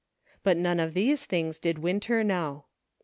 But none of these things did Winter know.